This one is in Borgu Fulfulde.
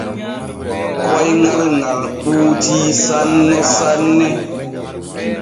Koyŋal ŋal ɓuutii sanne sanne.